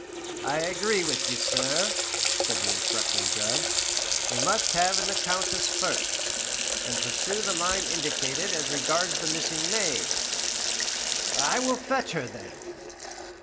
"I agree with you, sir," said the instructing judge: "we must have in the Countess first, and pursue the line indicated as regards the missing maid." "I will fetch her, then.